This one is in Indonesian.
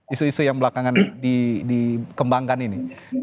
isu isu yang belakangan dikembangkan ini